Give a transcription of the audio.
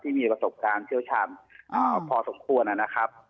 มีประสบการณ์เชี่ยวชาญพอสมควรนะครับ